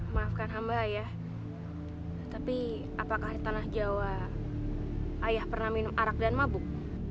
maafkan hamba ya tapi apakah di tanah jawa ayah pernah minum arak dan mabuk